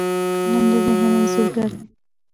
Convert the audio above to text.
قلم د ذهن انځورګر دی